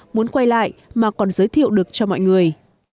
muốn quay lại mà còn giới thiệu được cho mọi người